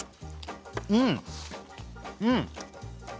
うんうん！